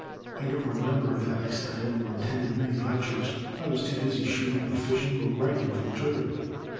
I don't remember that I studied or at tended many lectures. I was too busy, shooting or fishing, or writing for the Trigger.